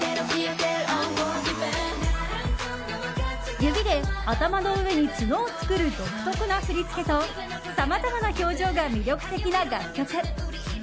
指で頭の上に角を作る独特な振り付けとさまざまな表情が魅力的な楽曲。